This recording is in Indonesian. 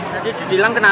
jadi didilang kenapa sih